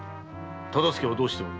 忠相はどうしておる。